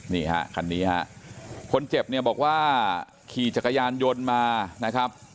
นี่ฮะคันนี้ฮะคนเจ็บเนี่ยบอกว่าขี่จักรยานยนต์มานะครับ